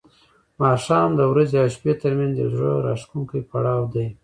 ماښام د ورځې او شپې ترمنځ یو زړه راښکونکی پړاو دی.